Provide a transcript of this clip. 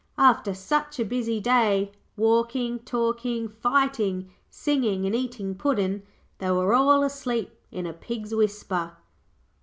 After such a busy day, walking, talking, fighting, singing, and eating puddin', they were all asleep in a pig's whisper.